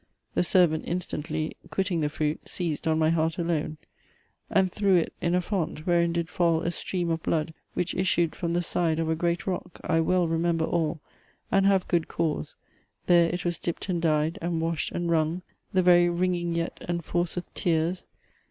The servant instantly, Quitting the fruit, seiz'd on my heart alone, And threw it in a font, wherein did fall A stream of blood, which issued from the side Of a great rock: I well remember all, And have good cause: there it was dipt and dyed, And wash'd, and wrung: the very wringing yet Enforceth tears.